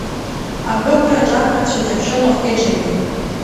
Аҳәыгәраҿы ақырҭцәа ҷаԥшьон уахгьы-ҽынгьы.